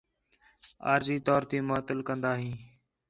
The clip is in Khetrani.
عارضی طور تی معطل کندا ہیں